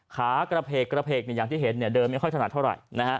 ขากระเพกกระเพกอย่างที่เห็นเดินไม่ค่อยถนัดเท่าไหร่